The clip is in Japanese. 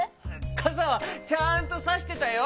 かさはちゃんとさしてたよ！